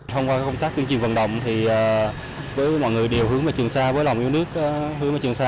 thông qua công tác chương trình vận động với mọi người đều hướng về trường sa với lòng yêu nước hướng về trường sa